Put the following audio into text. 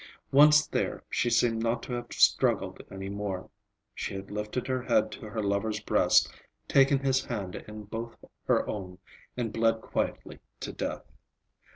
Once there, she seemed not to have struggled any more. She had lifted her head to her lover's breast, taken his hand in both her own, and bled quietly to death.